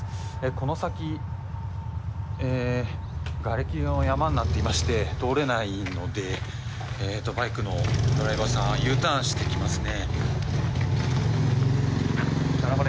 この先、がれきの山になっていまして通れないのでバイクのドライバーさんはＵターンしてきますね。